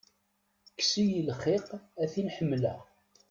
Kkes-iyi lxiq a tin ḥemmleɣ.